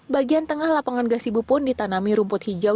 bagian tengah lapangan gasi bu pun ditanami rumput hijau